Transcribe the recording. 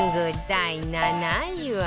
第７位は